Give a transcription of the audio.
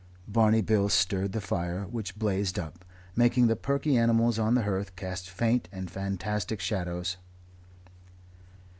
Barney Bill stirred the fire, which blazed up, making the perky animals on the hearth cast faint and fantastic shadows.